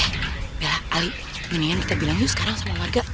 eh bella ali mendingan kita bilang yuk sekarang sama warga